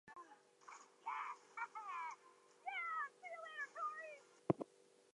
Reinforcements for the Russians gave them the courage to send out probing attacks.